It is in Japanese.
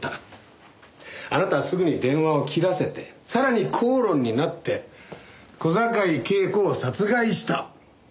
あなたはすぐに電話を切らせてさらに口論になって小坂井恵子を殺害した。